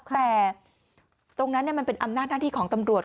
แต่ตรงนั้นมันเป็นอำนาจหน้าที่ของตำรวจ